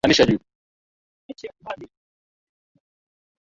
ili kuweza kulinda serikali ya mpito ya somalia